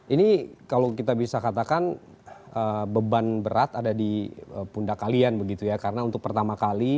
ini kalau kita bisa katakan beban berat ada di pundak kalian begitu ya karena untuk pertama kali